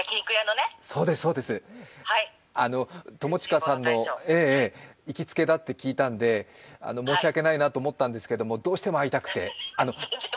友近さんの行きつけだって聞いたんで、申し訳ないなと思ったんですけれども、どうしても会いたくて。